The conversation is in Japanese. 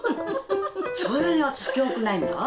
それ私記憶ないんだ。